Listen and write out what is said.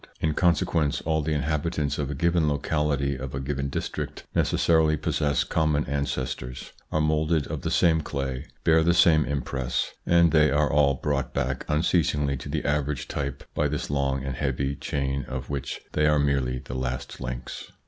In consequence all the inhabitants of a given locality, of a given district, necessarily possess common ancestors, are moulded of the same clay, bear the same impress, and they are all brought back unceasingly to the average type by this long and heavy chain, of which they are merely the last links.